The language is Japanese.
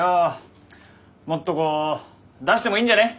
もっとこう出してもいいんじゃね？